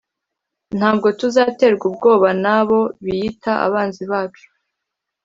Ntabwo tuzaterwa ubwoba nabo biyita abanzi bacu